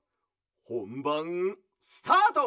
ほんばんスタート！